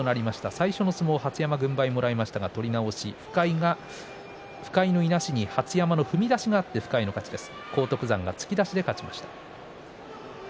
最初の相撲では羽出山が軍配をもらいましたが取り直し、深井の相撲に羽出山の踏み出しがあって深井の勝ちです。